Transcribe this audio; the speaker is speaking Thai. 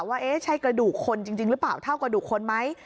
ว่าใช่กระดูกคนจริงหรือเปล่าเท่ากระดูกคนไหม